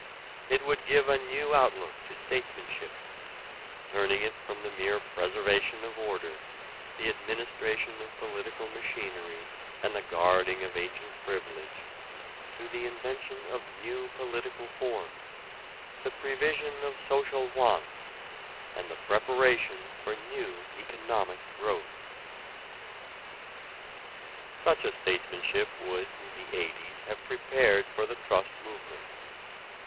It would give a new outlook to statesmanship, turning it from the mere preservation of order, the administration of political machinery and the guarding of ancient privilege to the invention of new political forms, the prevision of social wants, and the preparation for new economic growths. Such a statesmanship would in the '80's have prepared for the trust movement.